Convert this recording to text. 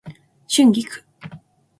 春菊